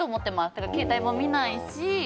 だから携帯も見ないし。